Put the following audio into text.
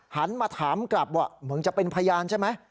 หันมาถามกลับว่ามึงจะเป็นพยานใช่ไหม